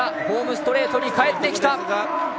ホームストレートに帰ってきた。